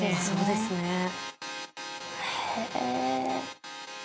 そうですね。